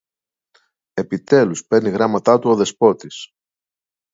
Επιτέλους παίρνει γράμματα του ο Δεσπότης